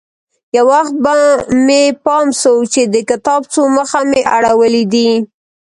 يو وخت به مې پام سو چې د کتاب څو مخه مې اړولي دي.